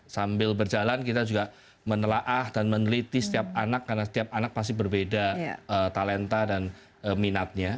sambil berjalan kita juga menelaah dan meneliti setiap anak karena setiap anak pasti berbeda talenta dan minatnya